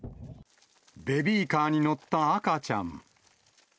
ベビーカーに乗った赤ちゃん。